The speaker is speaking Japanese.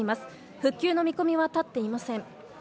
復旧の見込みは立っていません。